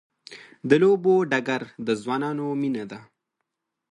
د لوبو ډګر د ځوانانو مینه ده.